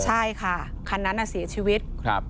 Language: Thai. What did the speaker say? ใช่ค่ะคันนั้นเสียชีวิต